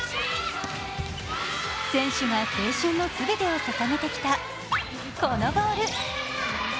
選手が青春の全てを捧げてきた、このボール。